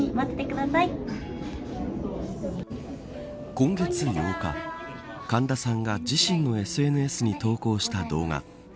今月８日神田さんが自身のＳＮＳに投稿した動画。